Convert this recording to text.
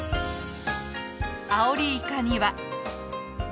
アオリイカには。